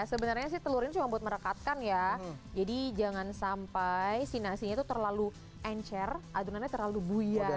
sebenarnya sih telur ini cuma buat merekatkan ya jadi jangan sampai si nasinya itu terlalu encer adonannya terlalu buya